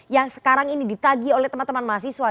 yang sekarang ini ditagi oleh teman teman mahasiswa